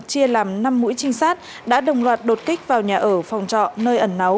chia làm năm mũi trinh sát đã đồng loạt đột kích vào nhà ở phòng trọ nơi ẩn náu